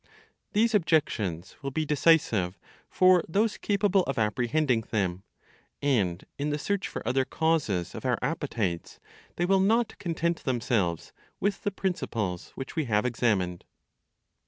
These objections will be decisive for those capable of apprehending them; and in the search for other causes of our appetites they will not content themselves with the principles which we have examined.